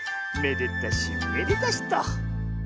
めでたしめでたしと。